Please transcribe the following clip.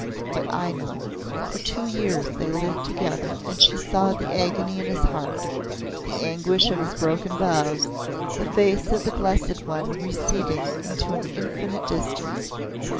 But I know. For two years they lived together and she saw the agony in his heart the anguish of his broken vows, the face of the Blessed One receding into an infinite distance.